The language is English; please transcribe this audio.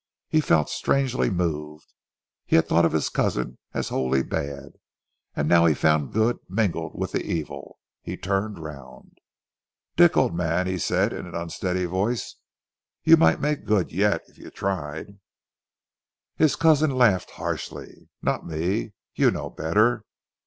He felt strangely moved. He had thought of his cousin as wholly bad, and now he found good mingled with the evil. He turned round. "Dick, old man," he said in an unsteady voice, "you might make good yet, if you tried." His cousin laughed harshly. "Not me, you know better.